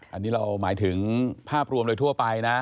อันนี้เราหมายถึงภาพรวมโดยทั่วไปนะ